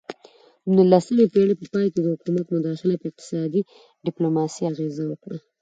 د نولسمې پیړۍ په پای کې د حکومت مداخله په اقتصادي ډیپلوماسي اغیزه وکړه